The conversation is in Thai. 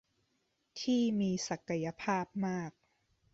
ที่มีศักยภาพมาก